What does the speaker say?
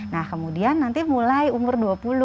nah kemudian nanti mulai umur dua puluh